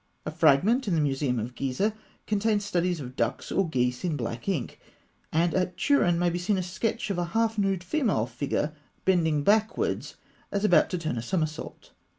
A fragment in the Museum of Gizeh contains studies of ducks or geese in black ink; and at Turin may be seen a sketch of a half nude female figure bending backwards, as about to turn a somersault.